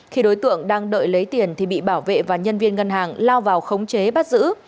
khi đối tượng đang đợi lấy tiền thì bị bảo vệ và nhân viên ngân hàng lao vào khống chế bắt giữ